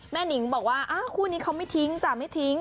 หนิงบอกว่าคู่นี้เขาไม่ทิ้งจ้ะไม่ทิ้ง